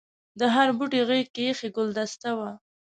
د هر بوټي غېږ کې ایښي ګلدسته وه.